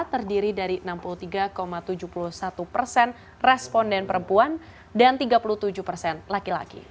terdiri dari enam puluh tiga tujuh puluh satu persen responden perempuan dan tiga puluh tujuh persen laki laki